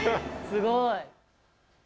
すごい。